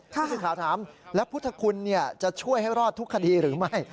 ผู้สื่อข่าวถามแล้วพุทธคุณจะช่วยให้รอดทุกคดีหรือไม่